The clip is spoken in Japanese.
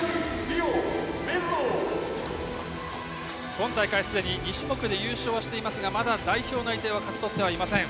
今大会、すでに２種目で優勝はしていますがまだ代表内定は勝ち取っていません。